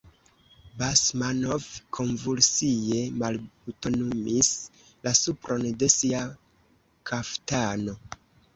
Basmanov konvulsie malbutonumis la supron de sia kaftano.